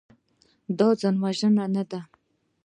دا ځانوژنه نه ده.